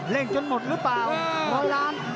่งจนหมดหรือเปล่าร้อยล้าน